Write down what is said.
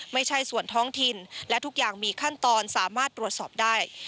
ไม่ใช่ส่วนท้องถิ่นและทุกอย่างมีขั้นตอนสามารถตรวจสอบได้